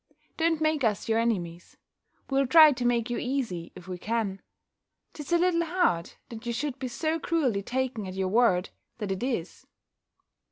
Don't make us your enemies: we'll try to make you easy, if we can. 'Tis a little hard, that you should be so cruelly taken at your word, that it is."